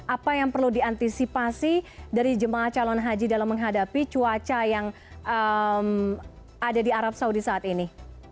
apa yang perlu diantisipasi dari jemaah calon haji dalam menghadapi cuaca yang ada di arab saudi saat ini